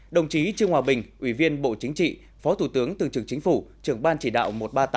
đồng chí trương hòa bình ủy viên bộ chính trị phó thủ tướng tường trưởng chính phủ trưởng ban chỉ đạo một trăm ba mươi tám ba trăm tám mươi chín